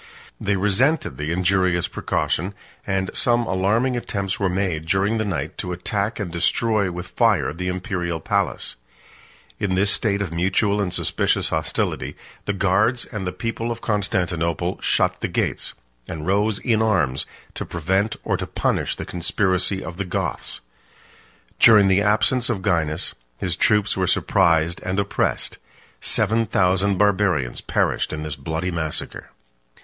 They resented the injurious precaution; and some alarming attempts were made, during the night, to attack and destroy with fire the Imperial palace. 36 In this state of mutual and suspicious hostility, the guards and the people of Constantinople shut the gates, and rose in arms to prevent or to punish the conspiracy of the Goths. During the absence of Gainas, his troops were surprised and oppressed; seven thousand Barbarians perished in this bloody massacre.